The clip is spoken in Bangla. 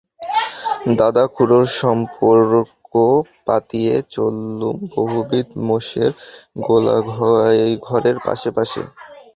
দাদা-খুড়োর সম্পর্ক পাতিয়ে চললুম বহুবিধ মোষের গোয়ালঘরের পাশে পাশে।